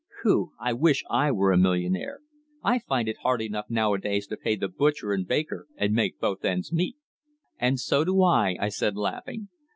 Phew! I wish I were a millionaire! I find it hard enough nowadays to pay the butcher and baker and make both ends meet." "And so do I," I said, laughing.